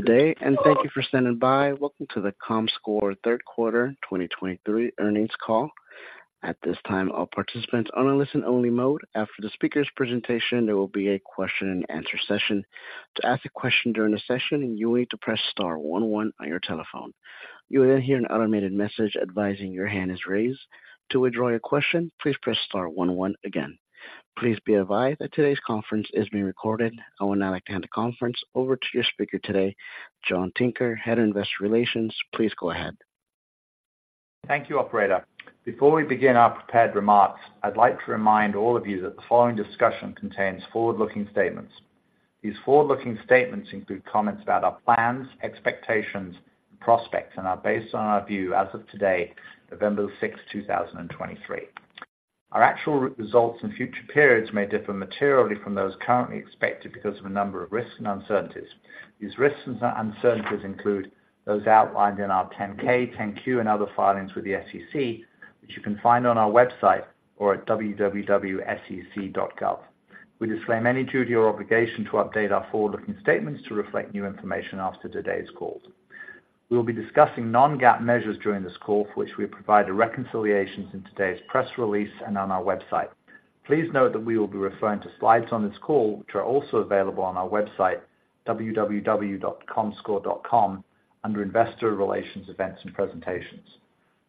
Good day, and thank you for standing by. Welcome to the Comscore Q3 2023 Earnings Call. At this time, all participants are in a listen-only mode. After the speaker's presentation, there will be a question-and-answer session. To ask a question during the session, you will need to press star one one on your telephone. You will then hear an automated message advising your hand is raised. To withdraw your question, please press star one one again. Please be advised that today's conference is being recorded. I would now like to hand the conference over to your speaker today, John Tinker, Head of Investor Relations. Please go ahead. Thank you, operator. Before we begin our prepared remarks, I'd like to remind all of you that the following discussion contains forward-looking statements. These forward-looking statements include comments about our plans, expectations, and prospects, and are based on our view as of today, November 6, 2023. Our actual results in future periods may differ materially from those currently expected because of a number of risks and uncertainties. These risks and uncertainties include those outlined in our 10-K, 10-Q, and other filings with the SEC, which you can find on our website or at www.sec.gov. We disclaim any duty or obligation to update our forward-looking statements to reflect new information after today's call. We will be discussing non-GAAP measures during this call, for which we provide a reconciliation in today's press release and on our website. Please note that we will be referring to slides on this call, which are also available on our website, www.comscore.com, under Investor Relations, Events and Presentations.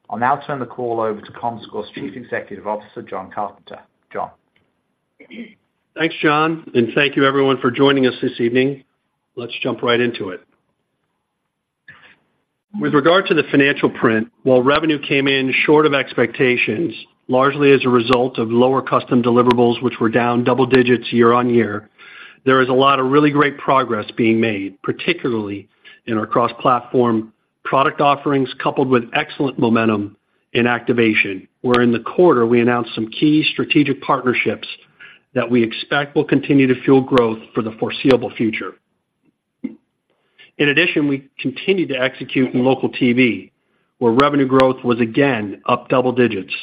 I'll now turn the call over to Comscore's Chief Executive Officer, John Carpenter. John? Thanks, John, and thank you everyone for joining us this evening. Let's jump right into it. With regard to the financial print, while revenue came in short of expectations, largely as a result of lower custom deliverables, which were down double digits year-over-year, there is a lot of really great progress being made, particularly in our cross-platform product offerings, coupled with excellent momentum in activation, where in the quarter we announced some key strategic partnerships that we expect will continue to fuel growth for the foreseeable future. In addition, we continued to execute in local TV, where revenue growth was again up double digits.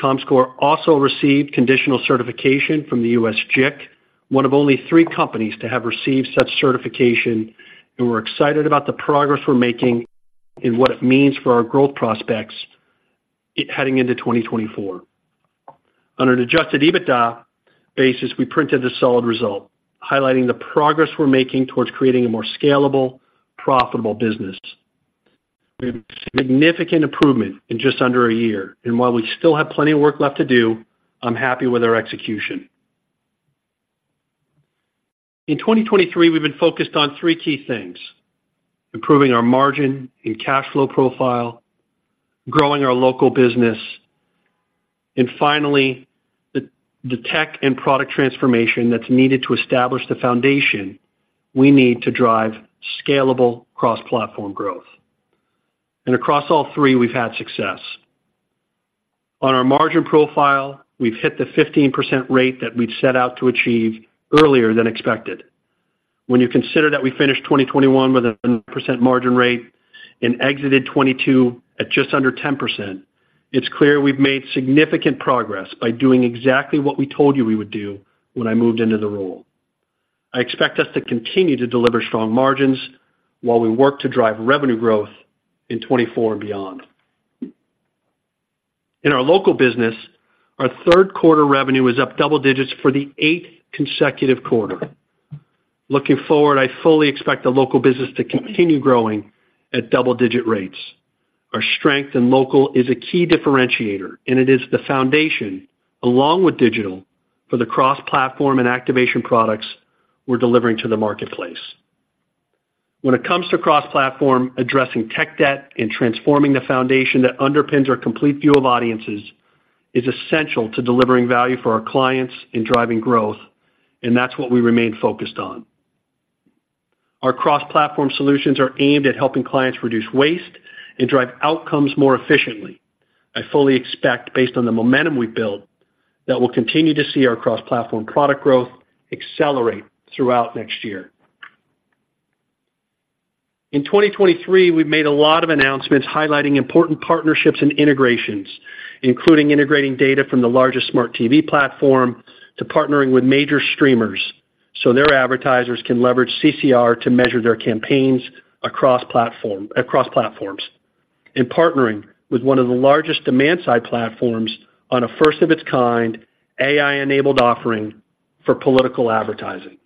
Comscore also received conditional certification from the US JIC one of only three companies to have received such certification, and we're excited about the progress we're making and what it means for our growth prospects heading into 2024. On an Adjusted EBITDA basis, we printed a solid result, highlighting the progress we're making towards creating a more scalable, profitable business. We have significant improvement in just under a year, and while we still have plenty of work left to do, I'm happy with our execution. In 2023, we've been focused on three key things: improving our margin and cash flow profile, growing our local business, and finally, the tech and product transformation that's needed to establish the foundation we need to drive scalable cross-platform growth. And across all three, we've had success. On our margin profile, we've hit the 15% rate that we'd set out to achieve earlier than expected. When you consider that we finished 2021 with an 8% margin rate and exited 2022 at just under 10%, it's clear we've made significant progress by doing exactly what we told you we would do when I moved into the role. I expect us to continue to deliver strong margins while we work to drive revenue growth in 2024 and beyond. In our local business, our Q3 revenue is up double digits for the eighth consecutive quarter. Looking forward, I fully expect the local business to continue growing at double-digit rates. Our strength in local is a key differentiator, and it is the foundation, along with digital, for the cross-platform and activation products we're delivering to the marketplace. When it comes to cross-platform, addressing tech debt and transforming the foundation that underpins our complete view of audiences is essential to delivering value for our clients and driving growth, and that's what we remain focused on. Our cross-platform solutions are aimed at helping clients reduce waste and drive outcomes more efficiently. I fully expect, based on the momentum we've built, that we'll continue to see our cross-platform product growth accelerate throughout next year. In 2023, we've made a lot of announcements highlighting important partnerships and integrations, including integrating data from the largest smart TV platform to partnering with major streamers, so their advertisers can leverage CCR to measure their campaigns across platforms. And partnering with one of the largest demand-side platforms on a first-of-its-kind, AI-enabled offering for political advertising.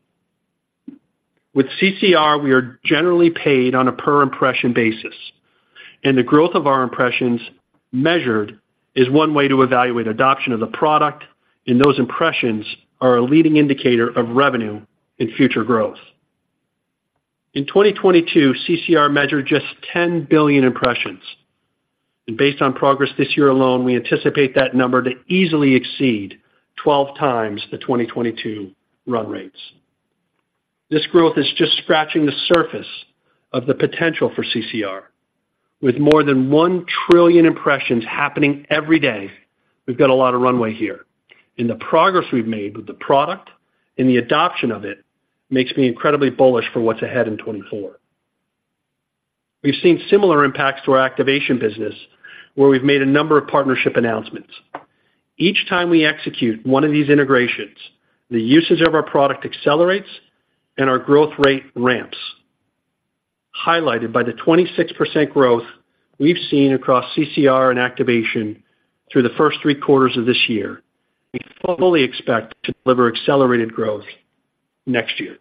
With CCR, we are generally paid on a per-impression basis, and the growth of our impressions measured is one way to evaluate adoption of the product, and those impressions are a leading indicator of revenue and future growth. In 2022, CCR measured just 10 billion impressions, and based on progress this year alone, we anticipate that number to easily exceed 12x the 2022 run rates. This growth is just scratching the surface of the potential for CCR. With more than 1 trillion impressions happening every day, we've got a lot of runway here, and the progress we've made with the product and the adoption of it makes me incredibly bullish for what's ahead in 2024. We've seen similar impacts to our activation business, where we've made a number of partnership announcements. Each time we execute one of these integrations, the usage of our product accelerates and our growth rate ramps. Highlighted by the 26% growth we've seen across CCR and activation through the first three quarters of this year, we fully expect to deliver accelerated growth next year.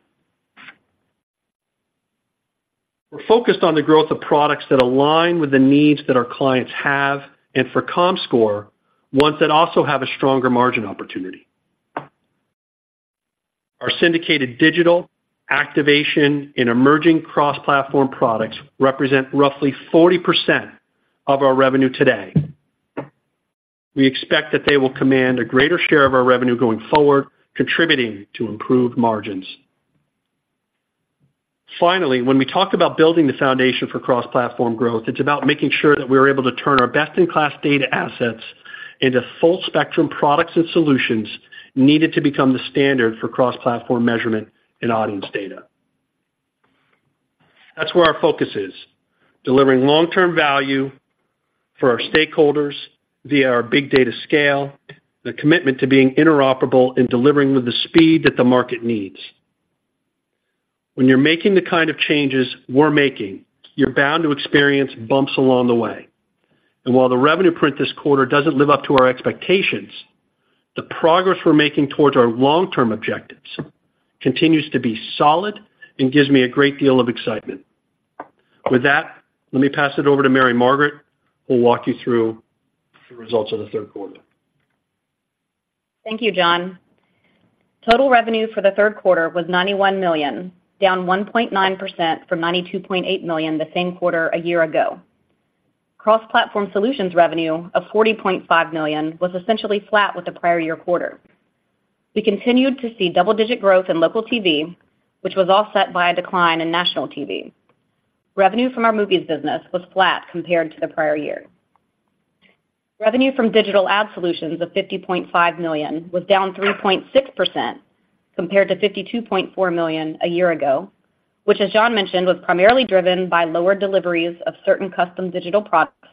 We're focused on the growth of products that align with the needs that our clients have, and for Comscore, ones that also have a stronger margin opportunity. Our Syndicated Digital, Activation in emerging cross-platform products represent roughly 40% of our revenue today. We expect that they will command a greater share of our revenue going forward, contributing to improved margins. Finally, when we talk about building the foundation for cross-platform growth, it's about making sure that we're able to turn our best-in-class data assets into full spectrum products and solutions needed to become the standard for cross-platform measurement and audience data. That's where our focus is, delivering long-term value for our stakeholders via our big data scale, the commitment to being interoperable and delivering with the speed that the market needs. When you're making the kind of changes we're making, you're bound to experience bumps along the way. While the revenue print this quarter doesn't live up to our expectations, the progress we're making towards our long-term objectives continues to be solid and gives me a great deal of excitement. With that, let me pass it over to Mary Margaret, who'll walk you through the results of the Q3. Thank you, John. Total revenue for the Q3 was $91 million, down 1.9% from $92.8 million the same quarter a year ago. Cross-Platform Solutions revenue of $40.5 million was essentially flat with the prior year quarter. We continued to see double-digit growth in Local TV, which was offset by a decline in National TV. Revenue from our Movies business was flat compared to the prior year. Revenue from Digital Ad Solutions of $50.5 million was down 3.6% compared to $52.4 million a year ago, which, as John mentioned, was primarily driven by lower deliveries of certain custom digital products,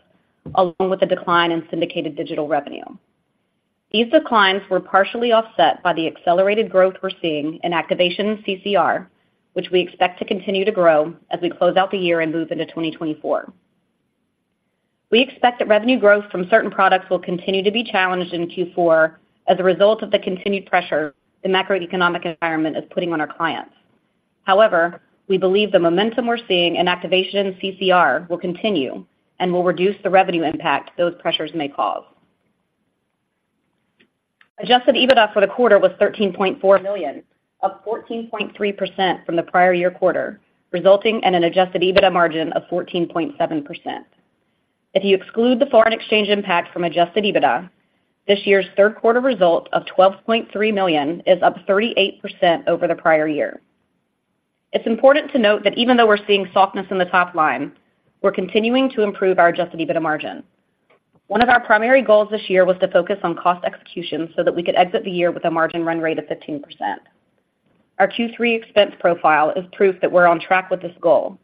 along with a decline in Syndicated Digital revenue. These declines were partially offset by the accelerated growth we're seeing in Activation and CCR, which we expect to continue to grow as we close out the year and move into 2024. We expect that revenue growth from certain products will continue to be challenged in Q4 as a result of the continued pressure the macroeconomic environment is putting on our clients. However, we believe the momentum we're seeing in Activation and CCR will continue and will reduce the revenue impact those pressures may cause. Adjusted EBITDA for the quarter was $13.4 million, up 14.3% from the prior year quarter, resulting in an adjusted EBITDA margin of 14.7%. If you exclude the foreign exchange impact from adjusted EBITDA, this year's Q3 result of $12.3 million is up 38% over the prior year. It's important to note that even though we're seeing softness in the top line, we're continuing to improve our Adjusted EBITDA margin. One of our primary goals this year was to focus on cost execution so that we could exit the year with a margin run rate of 15%. Our Q3 expense profile is proof that we're on track with this goal.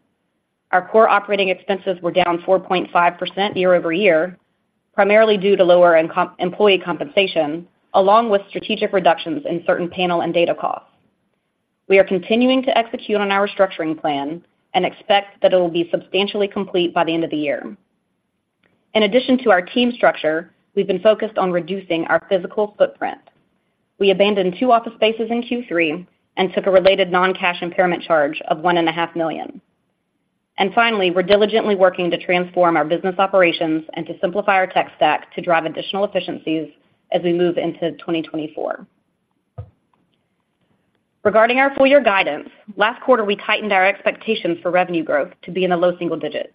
Our core operating expenses were down 4.5% year-over-year, primarily due to lower employee compensation, along with strategic reductions in certain panel and data costs. We are continuing to execute on our restructuring plan and expect that it will be substantially complete by the end of the year. In addition to our team structure, we've been focused on reducing our physical footprint. We abandoned two office spaces in Q3 and took a related non-cash impairment charge of $1.5 million. Finally, we're diligently working to transform our business operations and to simplify our tech stack to drive additional efficiencies as we move into 2024. Regarding our full year guidance, last quarter, we tightened our expectations for revenue growth to be in the low single digits.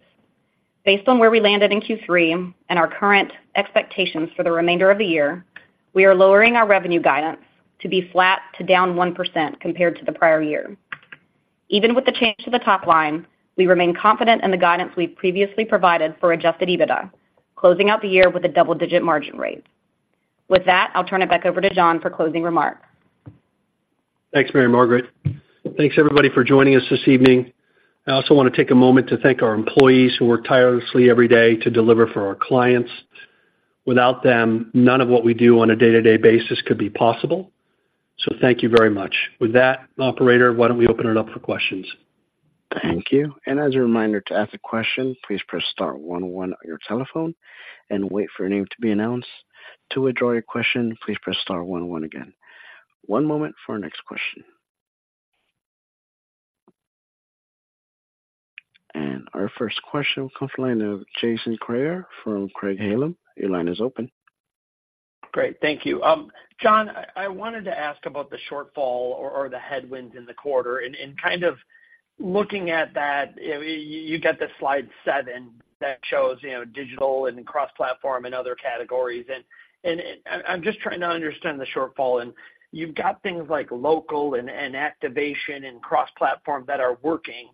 Based on where we landed in Q3 and our current expectations for the remainder of the year, we are lowering our revenue guidance to be flat to down 1% compared to the prior year. Even with the change to the top line, we remain confident in the guidance we've previously provided for Adjusted EBITDA, closing out the year with a double-digit margin rate. With that, I'll turn it back over to John for closing remarks. Thanks, Mary Margaret. Thanks, everybody, for joining us this evening. I also want to take a moment to thank our employees who work tirelessly every day to deliver for our clients. Without them, none of what we do on a day-to-day basis could be possible. So thank you very much. With that, operator, why don't we open it up for questions? Thank you. As a reminder to ask a question, please press star one, one on your telephone and wait for your name to be announced. To withdraw your question, please press star one, one again. One moment for our next question. Our first question comes from the line of Jason Kreyer from Craig-Hallum. Your line is open. Great. Thank you. John, I wanted to ask about the shortfall or the headwinds in the quarter, and kind of looking at that, you get the slide 7 that shows, you know, digital and cross-platform and other categories. I'm just trying to understand the shortfall, and you've got things like local and activation and cross-platform that are working,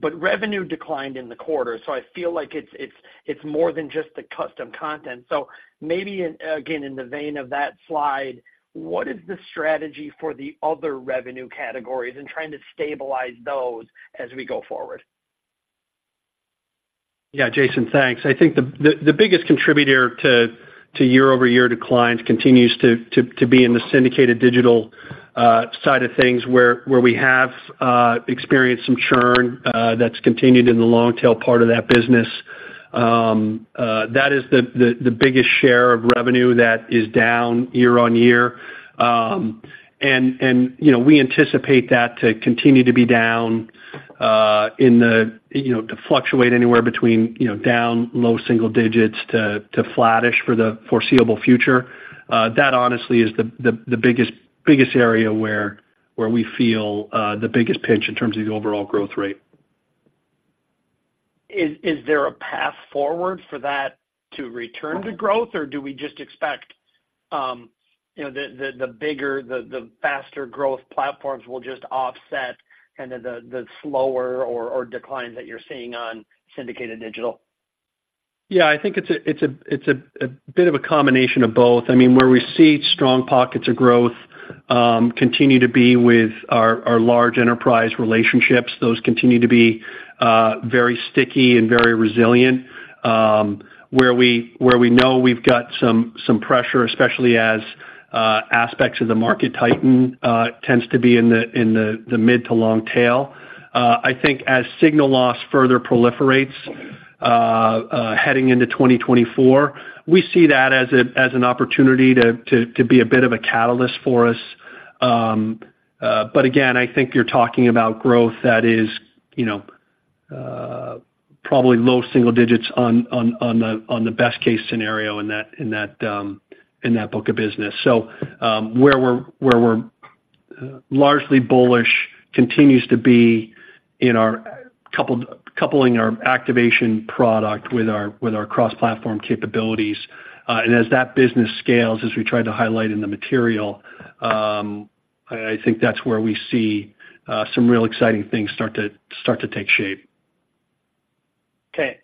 but revenue declined in the quarter. I feel like it's more than just the custom content. So maybe, again, in the vein of that slide, what is the strategy for the other revenue categories and trying to stabilize those as we go forward? Jason, thanks. I think the biggest contributor to year-over-year declines continues to be in the Syndicated Digital side of things, where we have experienced some churn that's continued in the long tail part of that business. That is the biggest share of revenue that is down year-on-year. And you know, we anticipate that to continue to be down, you know, to fluctuate anywhere between, you know, down low single digits to flattish for the foreseeable future. That honestly is the biggest area where we feel the biggest pinch in terms of the overall growth rate. Is there a path forward for that to return to growth? Or do we just expect, you know, the bigger, the faster growth platforms will just offset kind of the slower or decline that you're seeing on Syndicated Digital? Yeah, I think it's a bit of a combination of both. I mean, where we see strong pockets of growth continue to be with our large enterprise relationships. Those continue to be very sticky and very resilient. Where we know we've got some pressure, especially as aspects of the market tighten, tends to be in the mid to long tail. I think as signal loss further proliferates, heading into 2024, we see that as an opportunity to be a bit of a catalyst for us. But again, I think you're talking about growth that is, you know, probably low single digits on the best case scenario in that book of business. Where we're largely bullish continues to be in our coupling our activation product with our cross-platform capabilities. And as that business scales, as we tried to highlight in the material, I think that's where we see some real exciting things start to take shape. Okay.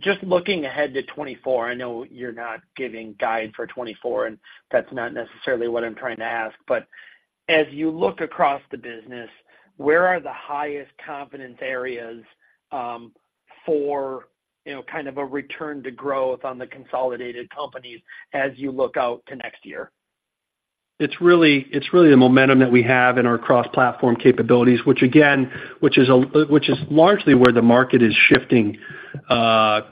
Just looking ahead to 2024, I know you're not giving guide for 2024, and that's not necessarily what I'm trying to ask. But as you look across the business, where are the highest confidence areas for, you know, kind of a return to growth on the consolidated companies as you look out to next year? It's really, it's really the momentum that we have in our cross-platform capabilities, which again, which is largely where the market is shifting, quite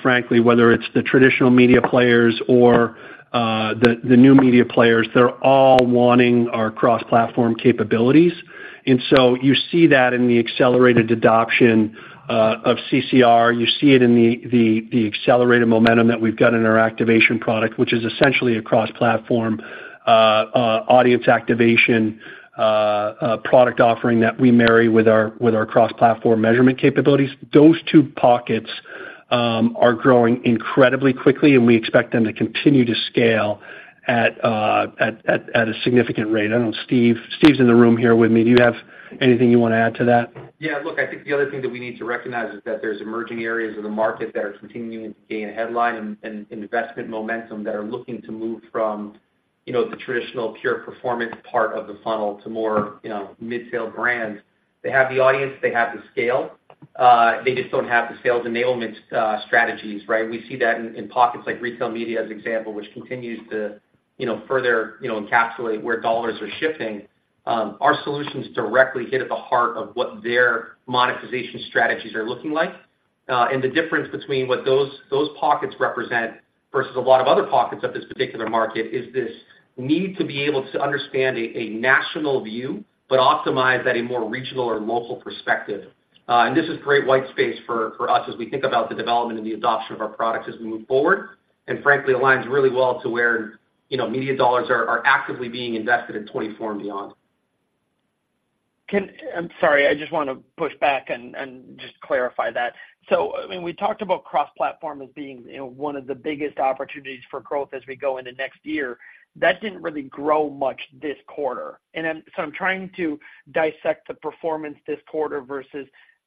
frankly, whether it's the traditional media players or the new media players, they're all wanting our cross-platform capabilities. You see that in the accelerated adoption of CCR. You see it in the accelerated momentum that we've got in our activation product, which is essentially a cross-platform audience activation product offering that we marry with our cross-platform measurement capabilities. Those two pockets are growing incredibly quickly, and we expect them to continue to scale at a significant rate. I don't know, Steve. Steve's in the room here with me. Do you have anything you want to add to that? Look, I think the other thing that we need to recognize is that there's emerging areas of the market that are continuing to gain a headline and investment momentum that are looking to move from, you know, the traditional pure performance part of the funnel to more, you know, mid-sale brands. They have the audience, they have the scale, they just don't have the sales enablement strategies, right? We see that in pockets like retail media, as an example, which continues to, you know, further encapsulate where dollars are shifting. Our solutions directly hit at the heart of what their monetization strategies are looking like. and the difference between what those pockets represent versus a lot of other pockets of this particular market is this need to be able to understand a national view, but optimize at a more regional or local perspective. This is great white space for us as we think about the development and the adoption of our products as we move forward, and frankly, aligns really well to where, you know, media dollars are actively being invested in 2024 and beyond. I'm sorry, I just want to push back and just clarify that. We talked about cross-platform as being, you know, one of the biggest opportunities for growth as we go into next year. That didn't really grow much this quarter. And so I'm trying to dissect the performance this quarter versus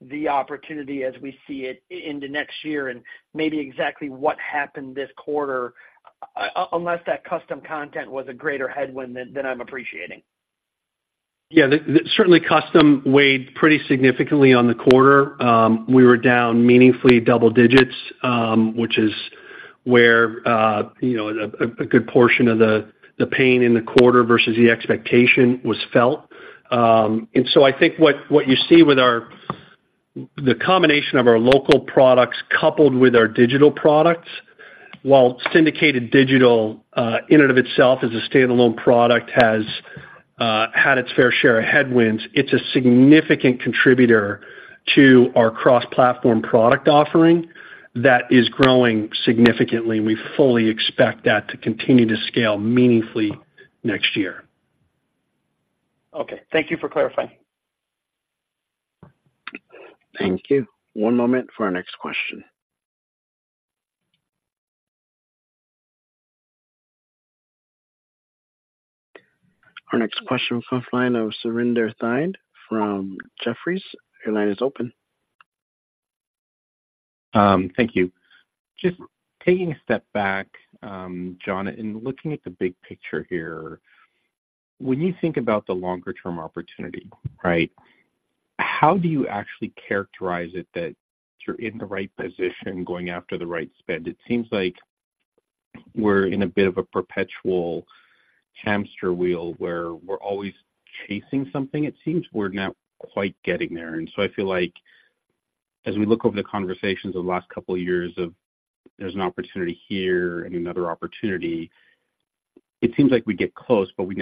the opportunity as we see it into next year and maybe exactly what happened this quarter, unless that custom content was a greater headwind than I'm appreciating. The custom weighed pretty significantly on the quarter. We were down meaningfully double digits, which is where, you know, a good portion of the pain in the quarter versus the expectation was felt. I think what you see with the combination of our local products coupled with our digital products, while Syndicated Digital, in and of itself as a standalone product has had its fair share of headwinds, it's a significant contributor to our cross-platform product offering that is growing significantly, and we fully expect that to continue to scale meaningfully next year. Okay. Thank you for clarifying. Thank you. One moment for our next question. Our next question comes from the line of Surinder Thind from Jefferies. Your line is open. Thank you. Just taking a step back, John, and looking at the big picture here... When you think about the longer term opportunity, right, how do you actually characterize it that you're in the right position, going after the right spend? It seems like we're in a bit of a perpetual hamster wheel where we're always chasing something. It seems we're not quite getting there. I feel like as we look over the conversations of the last couple of years of there's an opportunity here and another opportunity, it seems like we get close, but we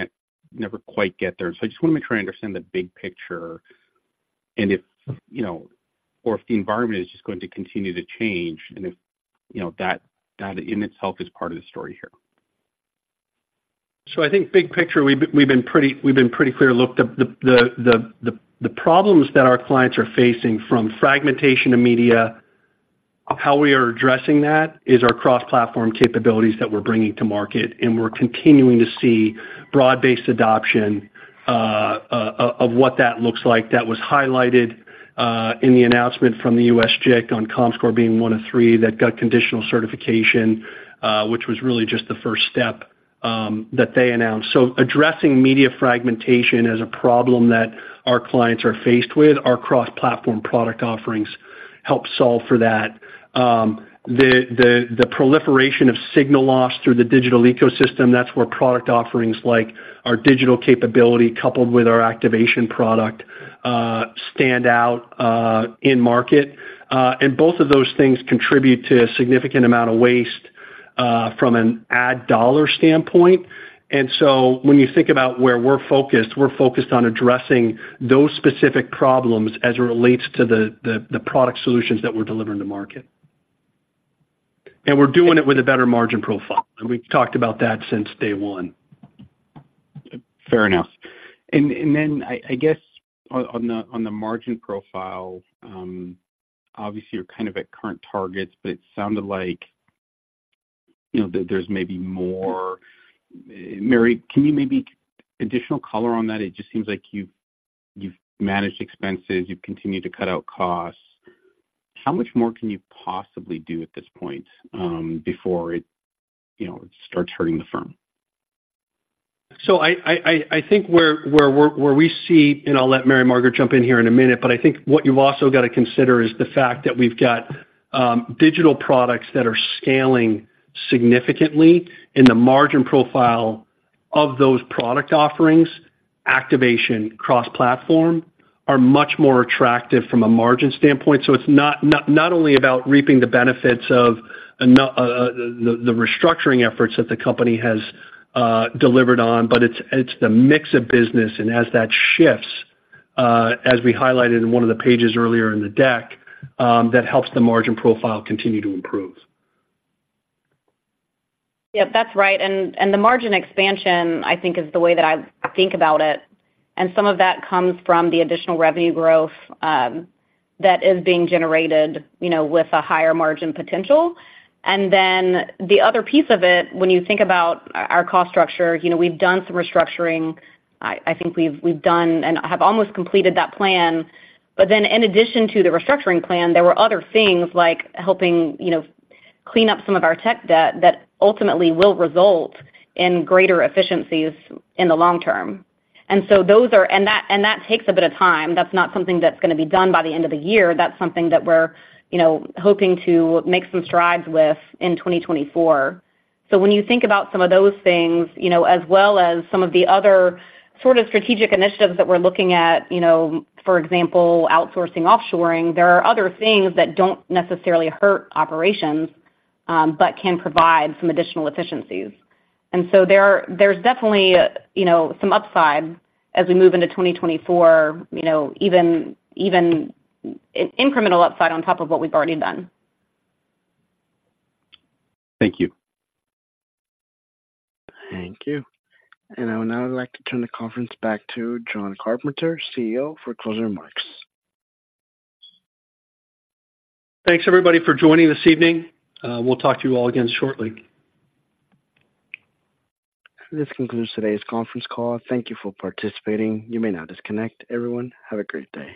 never quite get there. So I just want to make sure I understand the big picture and if, you know, or if the environment is just going to continue to change and if, you know, that, that in itself is part of the story here. So I think big picture, we've been pretty clear. Look, the problems that our clients are facing from fragmentation of media, how we are addressing that is our cross-platform capabilities that we're bringing to market, and we're continuing to see broad-based adoption of what that looks like. That was highlighted in the announcement from the U.S. JIC on Comscore being one of three that got conditional certification, which was really just the first step that they announced. So addressing media fragmentation as a problem that our clients are faced with, our cross-platform product offerings help solve for that. The proliferation of signal loss through the digital ecosystem, that's where product offerings like our digital capability, coupled with our Activation product, stand out in market. Both of those things contribute to a significant amount of waste from an ad dollar standpoint. And so when you think about where we're focused, we're focused on addressing those specific problems as it relates to the product solutions that we're delivering to market. And we're doing it with a better margin profile, and we've talked about that since day one. Fair enough. I guess on the margin profile, obviously you're kind of at current targets, but it sounded like, you know, that there's maybe more. Mary, can you maybe additional color on that? It just seems like you've managed expenses, you've continued to cut out costs. How much more can you possibly do at this point, before it, you know, it starts hurting the firm? I think where we see, and I'll let Mary Margaret jump in here in a minute, but I think what you've also got to consider is the fact that we've got digital products that are scaling significantly in the margin profile of those product offerings. Activation cross-platform are much more attractive from a margin standpoint. It's not only about reaping the benefits of the restructuring efforts that the company has delivered on, but it's the mix of business, and as that shifts, as we highlighted in one of the pages earlier in the deck, that helps the margin profile continue to improve. That's right. The margin expansion, I think, is the way that I think about it. Some of that comes from the additional revenue growth that is being generated, you know, with a higher margin potential. The other piece of it, when you think about our cost structure, you know, we've done some restructuring. I think we've done and have almost completed that plan. In addition to the restructuring plan, there were other things like helping, you know, clean up some of our tech debt that ultimately will result in greater efficiencies in the long term. That takes a bit of time. That's not something that's going to be done by the end of the year. That's something that we're, you know, hoping to make some strides with in 2024. When you think about some of those things, you know, as well as some of the other sort of strategic initiatives that we're looking at, you know, for example, outsourcing, offshoring, there are other things that don't necessarily hurt operations, but can provide some additional efficiencies. There is definitely, you know, some upside as we move into 2024, you know, even, even incremental upside on top of what we've already done. Thank you. Thank you. I would now like to turn the conference back to John Carpenter, CEO, for closing remarks. Thanks, everybody, for joining this evening. We'll talk to you all again shortly. This concludes today's conference call. Thank you for participating. You may now disconnect. Everyone, have a great day.